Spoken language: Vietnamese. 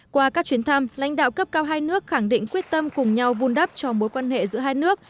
qua các chuyến thăm lãnh đạo cấp cao hai nước khẳng định quyết tâm cùng nhau vun đắp cho mối quan hệ giữa hai nước